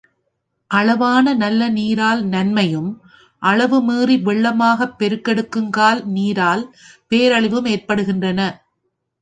அளவான நல்ல நீரால் நன்மையும் அளவு மீறி வெள்ளமாகப் பெருக்கு எடுக்குங்கால் நீரால் பேரழிவும் ஏற்படுகின்றன.